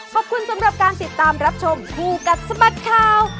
ขอบคุณสำหรับการติดตามรับชมคู่กัดสะบัดข่าว